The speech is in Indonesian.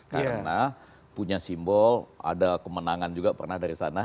karena punya simbol ada kemenangan juga pernah dari sana